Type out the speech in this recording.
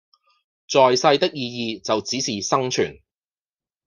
在世的意義就只是生存